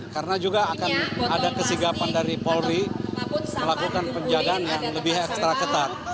karena juga akan ada kesigapan dari polri melakukan penjagaan yang lebih ekstra ketat